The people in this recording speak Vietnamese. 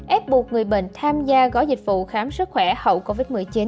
ép buộc người bệnh tham gia gói dịch vụ khám sức khỏe hậu covid một mươi chín